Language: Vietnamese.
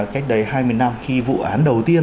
cách đây hai mươi năm khi vụ án đầu tiên